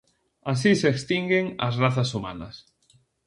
Así se extinguen as razas humanas.